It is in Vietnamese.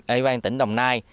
ủy ban tỉnh đồng nai